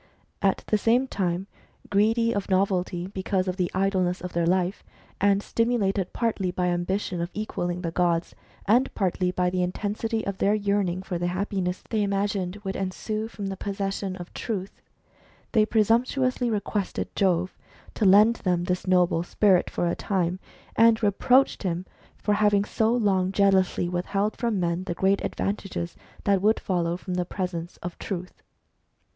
At the same time, greedy of novelty because of the idleness of their life, and stimulated partly by ambition of equalling the gods, and partly by the intensity of their yearning for the happiness they imagined would ensue from the possession of Truth, they presumptuously requested Jove to lend them this noble spirit for a time, and reproached him for having so long jealously withheld from men the great advantages that would follow from the presence of Truth.